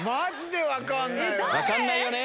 分かんないよねー。